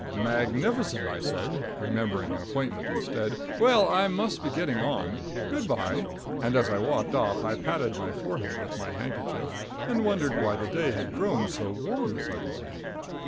"Magnificent," I said, remembering an appointment instead. "Well, I must be getting on. Good bye." And, as I walked off, I patted my forehead with my handkerchief and wondered why the day had grown so warm suddenly.